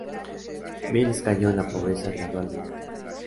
Beals cayó en la pobreza gradualmente.